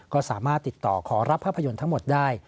ก็สามารถติดต่อขอรับภาพยนตร์ทั้งหมดได้